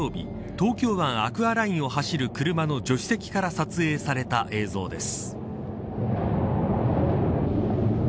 東京湾アクアラインを走る車の助手席から撮影された映像です。